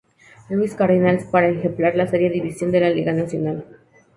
Louis Cardinals para emparejar la Serie Divisional de la Liga Nacional.